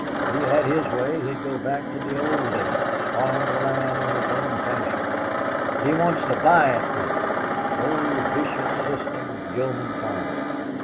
If he had his way, he'd go back to the old days, farm the land in his own fashion. He wants to buy it from me. Old vicious system of yeoman farming.